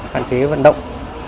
hạn chế vận động